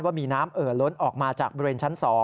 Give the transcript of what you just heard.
ว่ามีน้ำเอ่อล้นออกมาจากบริเวณชั้น๒